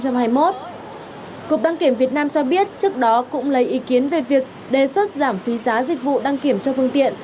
cục đăng kiểm việt nam cho biết trước đó cũng lấy ý kiến về việc đề xuất giảm phí giá dịch vụ đăng kiểm cho phương tiện